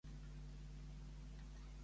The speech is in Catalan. Quin altre nom té el Rindr?